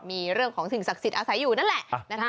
มีเรื่องของสิ่งศักดิ์สิทธิ์อาศัยอยู่นั่นแหละนะคะ